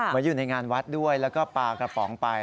อยู่ในงานวัดด้วยแล้วก็ปลากระป๋องไป